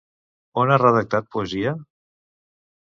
On ha redactat poesia?